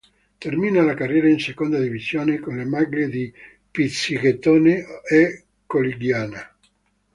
Termina la carriera in Seconda Divisione con le maglie di Pizzighettone e Colligiana.